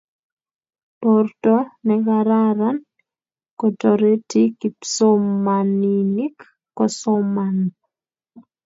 porto nekararan kotoreti kipsomaninik kosoman